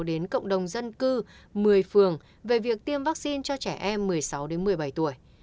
đến cộng đồng dân cư một mươi phường về việc tiêm vaccine cho trẻ em một mươi sáu một mươi bảy tuổi